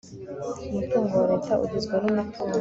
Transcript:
umutungo wa leta ugizwe n umutungo